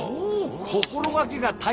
心がけが大切。